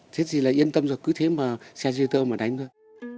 thế thì là yên tâm rồi cứ thế mà xe dây tơ mà đánh thôi